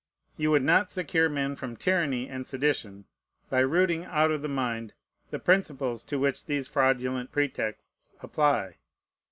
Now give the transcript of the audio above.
You would not secure men from tyranny and sedition by rooting out of the mind the principles to which these fraudulent pretexts apply?